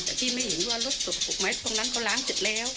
แต่พี่ไม่เห็นว่ารถตกถูกไหมตรงนั้นเขาล้างเสร็จแล้ว